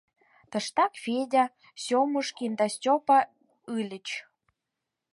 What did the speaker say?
Тыштак Федя, Сёмушкин да Степа ыльыч.